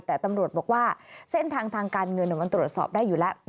แต่ตำรวจบอกว่าเส้นทางทางการเงินมันตรวจสอบได้อยู่แล้ว